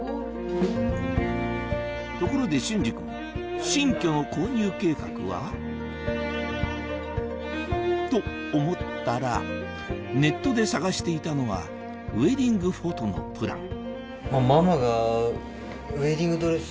ところで隼司君新居の購入計画は？と思ったらネットで探していたのはウエディングフォトのプラン